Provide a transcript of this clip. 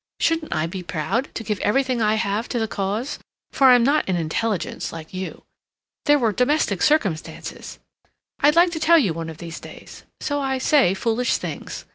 "Shouldn't I be proud to give everything I have to the cause?—for I'm not an intelligence like you. There were domestic circumstances—I'd like to tell you one of these days—so I say foolish things.